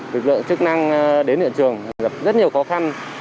lực lượng chức năng đến hiện trường gặp rất nhiều khó khăn